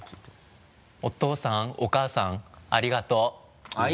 「お父さんお母さんありがとう」て言って。